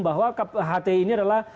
bahwa hti ini adalah